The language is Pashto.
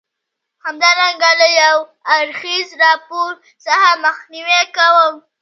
همدارنګه له یو اړخیز راپور څخه مخنیوی کوم.